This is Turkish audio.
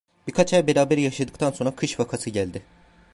Birkaç ay beraber yaşadıktan sonra kış vakası geldi.